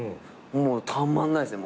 もうたまんないっすね。